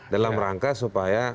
dalam rangka supaya